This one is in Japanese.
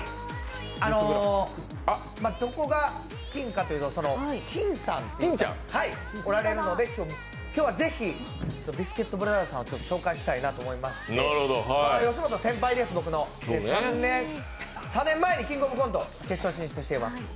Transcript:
どこが金かっていうと、きんさんがおられるので今日はぜひビスケットブラザーズさんを紹介したいなと思いまして吉本の先輩です、「キングオブコント」出場しています。